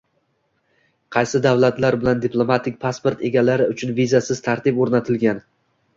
Qaysi davlatlar bilan diplomatik pasport egalari uchun vizasiz tartib o‘rnatilgan?